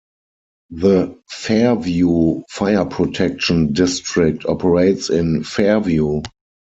The Fairview Fire Protection District operates in Fairview.